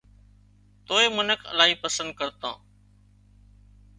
توئي منک الاهي پسند ڪرتان